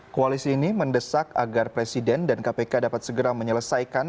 koalisi ini mendesak agar presiden dan kpk dapat segera menyelesaikan